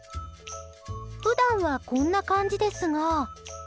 普段はこんな感じですが。